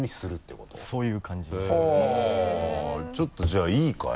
ちょっとじゃあいいかい？